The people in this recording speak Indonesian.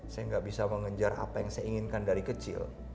saya nggak bisa mengejar apa yang saya inginkan dari kecil